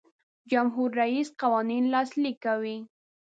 جمهور رئیس قوانین لاسلیک کوي.